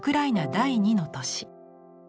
第二の都市。